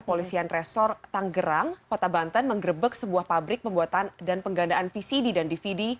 polisian resor tanggerang kota banten menggerebek sebuah pabrik pembuatan dan penggandaan vcd dan dvd